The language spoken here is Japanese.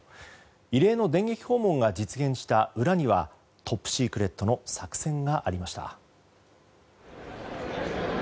異例の電撃訪問が実現した裏にはトップシークレットの作戦がありました。